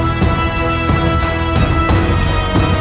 aku sangat mencintai